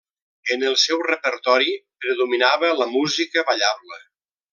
En el seu repertori predominava la música ballable.